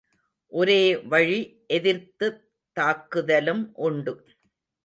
ஒரே வழி எதிர்த்துத் தாக்குதலும் உண்டு.